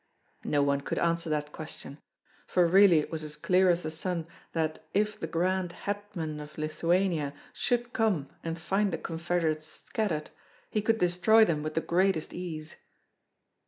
No one could answer that question, for really it was as clear as the sun that if the grand hetman of Lithuania should come and find the confederates scattered, he could destroy them with the greatest ease.